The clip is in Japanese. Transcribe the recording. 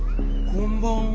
こんばんは。